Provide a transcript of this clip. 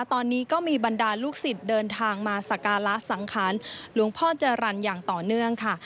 ตอนนี้ก็มีบรรดาลูกศิษย์เดินทางมาสการะสังขารหลวงพ่อจรรย์อย่างต่อเนื่องค่ะ